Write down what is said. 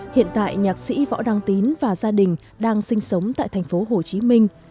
hiện tại nhạc sĩ võ đăng tín và gia đình đang sinh sống tại thành phố hồ chí minh